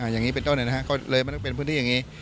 อย่างนี้เป็นต้นก็เลยไม่ต้องเป็นพื้นที่อย่างนี้